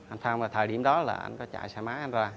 anh phong thời điểm đó là anh có chạy xe má anh ra